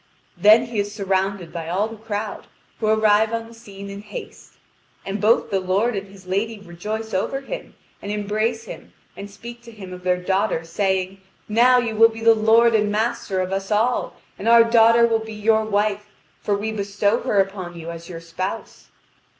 Then he is surrounded by all the crowd, who arrive on the scene in haste. And both the lord and his lady rejoice over him, and embrace him, and speak to him of their daughter, saying: "Now you will be the lord and master of us all, and our daughter will be your wife, for we bestow her upon you as your spouse."